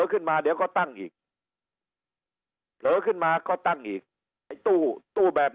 ขึ้นมาเดี๋ยวก็ตั้งอีกเผลอขึ้นมาก็ตั้งอีกไอ้ตู้แบบ